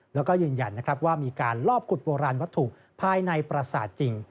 แล้วก็ยืนยันนะครับว่ามีการลอบขุดโบราณวัตถุภายในประสาทจริง